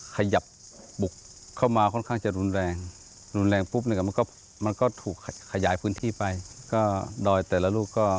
ขยับบุกเข้ามาค่อนข้างจะรุนแรงรุนแรงปุ๊บหนึ่งมันก็มันก็ถูกขยายพื้นที่ไปก็ดอยแต่ละลูกก็